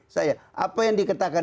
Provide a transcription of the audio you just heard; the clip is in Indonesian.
saya apa yang dikatakan